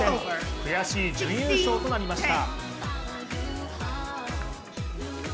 悔しい準優勝となりました。